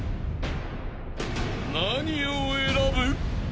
［何を選ぶ？］